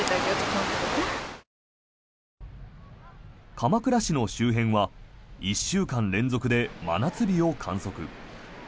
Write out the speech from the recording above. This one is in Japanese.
鎌倉市の周辺は１週間連続で真夏日を観測。